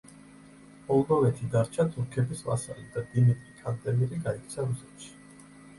მოლდოვეთი დარჩა თურქების ვასალი და დიმიტრი კანტემირი გაიქცა რუსეთში.